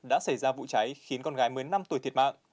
đã xảy ra vụ cháy khiến con gái một mươi năm tuổi thiệt mạng